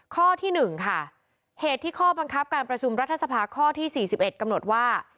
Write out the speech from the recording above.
ข้อที่๑ค่ะเหตุที่ข้อบังคับการประชุมรัฐสภาข้อที่๔๑กำหนดว่า